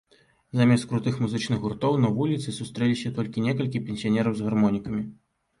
Замест крутых музычных гуртоў на вуліцы сустрэліся толькі некалькі пенсіянераў з гармонікамі.